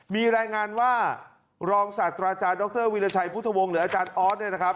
มีรายงานว่ารองศาสตราจารย์ดรวิราชัยพุทธวงศ์หรืออาจารย์อ๊อส